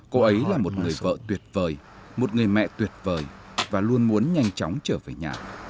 cô ấy là một người vợ tuyệt vời một người mẹ tuyệt vời và luôn muốn nhanh chóng trở về nhà